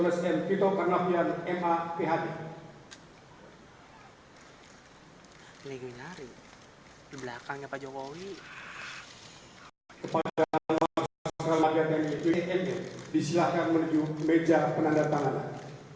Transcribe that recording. mohon berkenan menuju meja penandatanganan